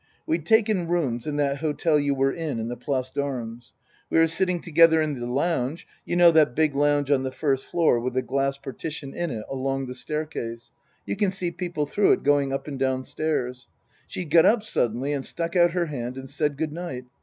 We'd taken rooms in that hotel you were in in the Place d'Armes. We were sitting together in the lounge you know that big lounge on the first floor with the glass partition in it along the staircase you can see people through it going up and down stairs. She'd got up suddenly and stuck out her hand and said good night.